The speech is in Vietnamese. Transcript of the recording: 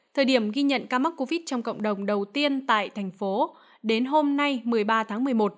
thời điểm ghi nhận ca mắc covid trong cộng đồng đầu tiên tại thành phố đến hôm nay một mươi ba tháng một mươi một